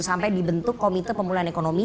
sampai dibentuk komite pemulihan ekonomi